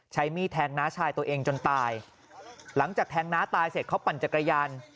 มีดแทงน้าชายตัวเองจนตายหลังจากแทงน้าตายเสร็จเขาปั่นจักรยาน